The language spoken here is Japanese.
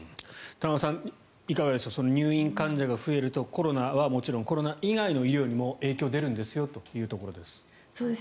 田中さん、いかがでしょう入院患者が増えるとコロナはもちろんコロナ以外の病気にも影響が出るんですよというところです。